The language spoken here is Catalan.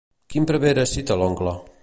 Quin prevere cita l'oncle?